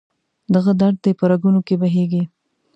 دغه درد دې په رګونو کې بهیږي